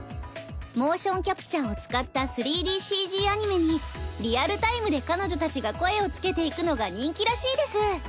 モーションキャプチャーを使った３ＤＣＧアニメにリアルタイムで彼女たちが声を付けていくのが人気らしいです。